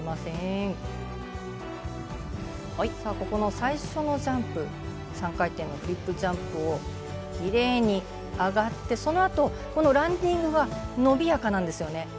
ここの最初のジャンプ３回転のフリップジャンプをきれいに上がって、そのあとランディングが伸びやかなんですよね。